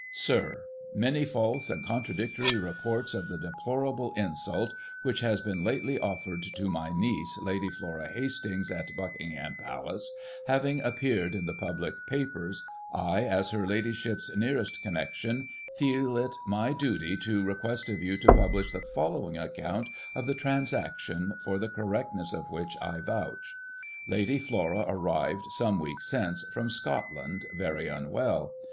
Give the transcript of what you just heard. " Sir, — Many false and contradictory reports of the deplor able insult which has been lately offered to my niece, Lady Flora Hastings, at Buckingham Palace, having appeared in the public papers, I, as her ladyship's nearest connection, feel it my duty to request of you to publish the following account of the transaction, for the correctness of which I vouch. "Lady Flora arrived, some weeks since, from Scotland, very xmwell.